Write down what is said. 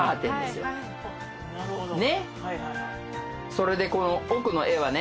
それでこの奥の絵はね